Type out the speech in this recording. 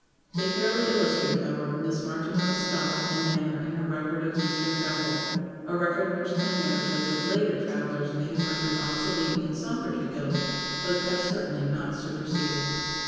They fairly illustrate, however, Miss Martineau's style and manner in her record of Eastern travel a record which the narratives of later travellers may have rendered obsolete in some particulars, but have certainly not superseded.